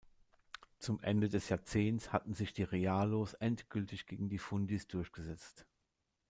Zum Ende des Jahrzehnts hatten sich die Realos endgültig gegen die Fundis durchgesetzt.